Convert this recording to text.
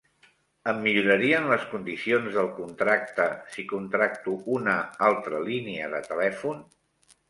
Em millorarien les condicions del contracte si contracto una altra línia de telèfon?